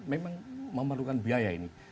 memang memerlukan biaya ini